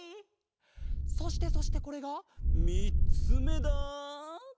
そしてそしてこれがみっつめだ！